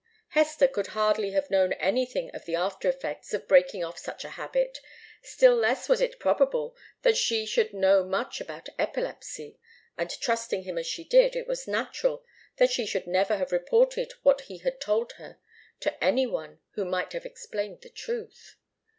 Hester could hardly have known anything of the after effects of breaking off such a habit, still less was it probable that she should know much about epilepsy, and trusting him as she did, it was natural that she should never have reported what he had told her to any one who might have explained the truth.